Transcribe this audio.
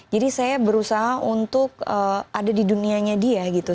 jadi saya berusaha untuk ada di dunianya dia gitu